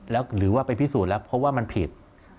แล้วหรือว่าไปพิสูจน์แล้วเพราะว่ามันผิด